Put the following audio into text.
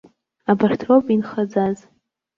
Абарҭ роуп инхаӡаз.